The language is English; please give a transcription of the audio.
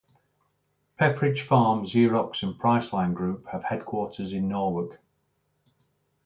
Pepperidge Farm, Xerox and Priceline Group have headquarters in Norwalk.